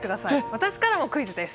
私からもクイズです。